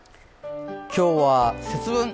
今日は節分。